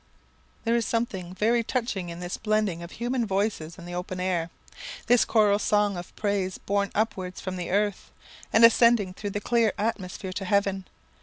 There is something very touching in this blending of human voices in the open air this choral song of praise borne upwards from the earth, and ascending through the clear atmosphere to heaven.